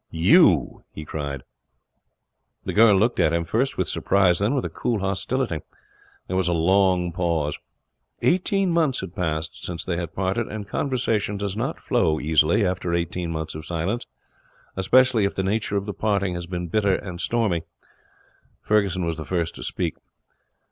'You!' he cried. The girl looked at him, first with surprise, then with a cool hostility. There was a long pause. Eighteen months had passed since they had parted, and conversation does not flow easily after eighteen months of silence, especially if the nature of the parting has been bitter and stormy. He was the first to speak.